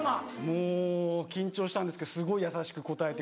もう緊張したんですけどすごい優しく応えてくれて。